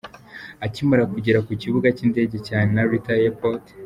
akimara kugera ku kibuga cyindege cya Narita airport.